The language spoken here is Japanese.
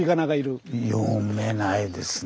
眺めいいですね。